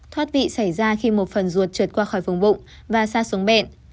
thoát vị xảy ra khi một phần ruột trượt qua khỏi phương bụng và xa xuống bẹn